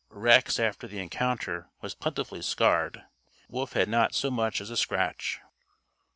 (Rex after the encounter, was plentifully scarred. Wolf had not so much as a scratch.)